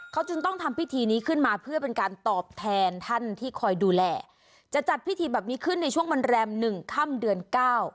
เขาจึงต้องทำพิธีนี้ขึ้นมาเพื่อเป็นการตอบแทนท่านที่คอยดูแลจะจัดพิธีแบบนี้ขึ้นในช่วงวันแรมหนึ่งค่ำเดือนเก้า